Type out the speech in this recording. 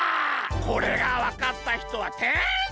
これがわかったひとはてんさい！